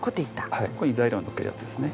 ここに材料のっけるやつですね。